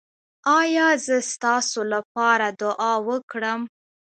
ایا زه ستاسو لپاره دعا وکړم؟